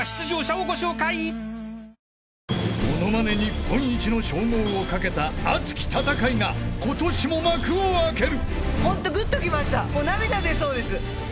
［ものまね日本一の称号を懸けた熱き戦いが今年も幕を開ける］